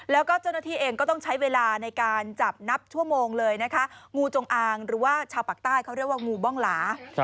แล้วก็เจ้าหน้าที่เองก็ต้องใช้เวลาในการจับนับชั่วโมงเลยนะคะงูจงอางหรือว่าชาวปากใต้เขาเรียกว่างูบ้องหลา